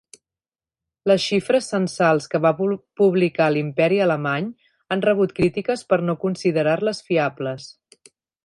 Les xifres censals que va publicar l'Imperi alemany han rebut crítiques per no considerar-les fiables.